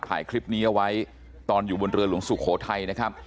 ถ่ายคลิปนี้เอาไว้ตอนอยู่บนเรือหลวงสุโขทัยนะครับ